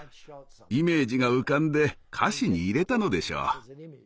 イメージが浮かんで歌詞に入れたのでしょう。